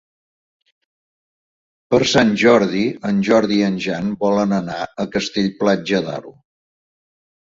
Per Sant Jordi en Jordi i en Jan volen anar a Castell-Platja d'Aro.